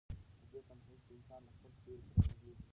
په دې تنهایۍ کې انسان له خپل سیوري سره غږېږي.